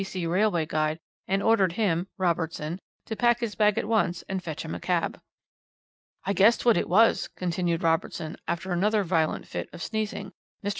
B.C. Railway Guide, and ordered him (Robertson) to pack his bag at once and fetch him a cab. "'I guessed what it was,' continued Robertson after another violent fit of sneezing. 'Mr.